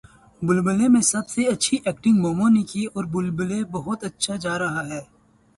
بلبلے میں سب سے اچھی ایکٹنگ مومو نے کی ہے اور بلبلے بہت اچھا جا رہا ہے